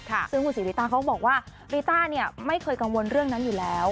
ซึ่งคุณศรีริต้าเขาบอกว่าริต้าเนี่ยไม่เคยกังวลเรื่องนั้นอยู่แล้ว